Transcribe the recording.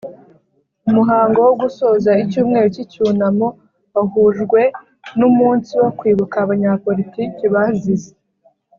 umuhango wo gusoza icyumweru cy icyunamo wahujwe n umunsi wo kwibuka abanyapolitiki bazize